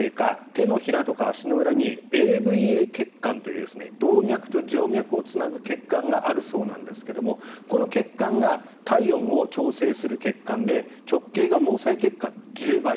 手のひらとか足の裏にＡＶＡ血管という静脈と動脈をつなぐ血管があるそうなんですがこの血管が体温を調整する血管で直径が毛細血管の１０倍。